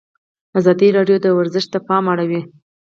ازادي راډیو د ورزش ته پام اړولی.